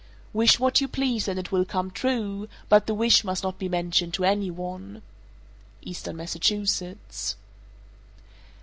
Wish what you please and it will come true, but the wish must not be mentioned to any one. _Eastern Massachusetts.